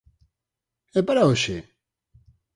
É para hoxe?